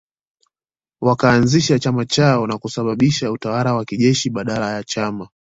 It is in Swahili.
Wakaanzisha chama chao na kusababisha utawala wa kijeshi badala ya chama